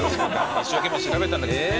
一生懸命調べたんだけどね。